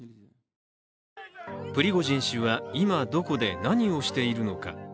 プリゴジン氏は今、どこで何をしているのか。